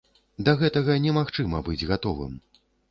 Да гэтага немагчыма быць гатовым.